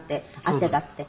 汗がって。